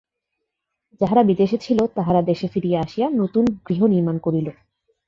যাহারা বিদেশে ছিল তাহারা দেশে ফিরিয়া আসিয়া নূতন গৃহ নির্মাণ করিল।